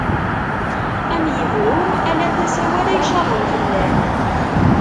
Ad am-ibru ala tasa-w ara icaḍen fell-am.